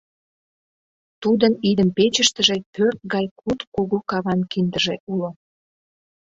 Тудын идым-печыштыже пӧрт гай куд кугу каван киндыже уло.